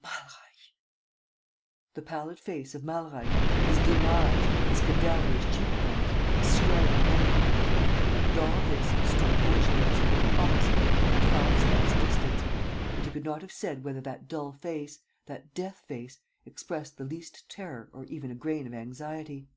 Malreich! The pallid face of Malreich, his dim eyes, his cadaverous cheek bones, his scraggy neck. ... And all this stood motionless, opposite him, at five steps' distance; and he could not have said whether that dull face, that death face, expressed the least terror or even a grain of anxiety.